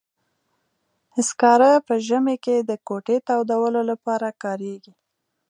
سکاره په ژمي کې د کوټې تودولو لپاره کاریږي.